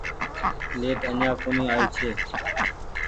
ليٽ اڃآن ڪونيٚ آئي ڇي